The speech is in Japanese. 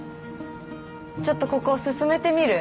ちょっとここ進めてみる？